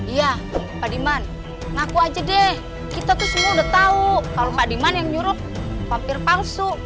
iya pak diman ngaku aja deh kita tuh semua udah tahu kalau pak diman yang nyuruh papir palsu